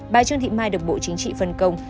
bà trương thị mai được bộ chính trị phân công